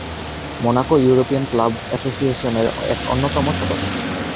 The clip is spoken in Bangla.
মোনাকো ইউরোপীয়ান ক্লাব অ্যাসোসিয়েশনের এক অন্যতম সদস্য।